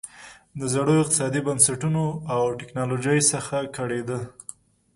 د زړو اقتصادي بنسټونو او ټکنالوژۍ څخه کړېده.